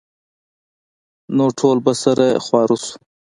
نو ټول به سره خواره سو.